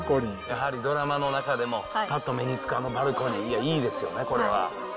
やはりドラマの中でも、ぱっと目につく、あのバルコニー、いや、いいですよね、これは。